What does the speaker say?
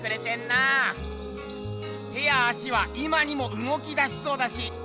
手や足は今にもうごきだしそうだし。